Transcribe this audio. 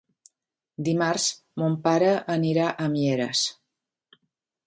Dimarts mon pare anirà a Mieres.